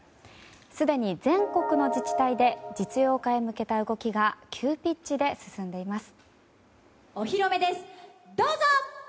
すでに全国の自治体で実用化へ向けた動きが急ピッチで進んでいます。